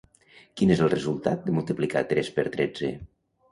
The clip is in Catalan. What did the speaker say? Quin és el resultat de multiplicar tres per tretze?